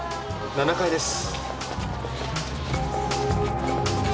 ７階です。